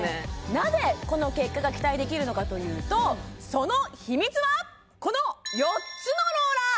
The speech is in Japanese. なぜこの結果が期待できるのかというとその秘密はこの４つのローラー